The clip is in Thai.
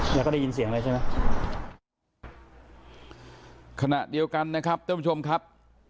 จะได้ยินเสียงเลยใช่ไหมคณะเดียวกันนะครับชมครับ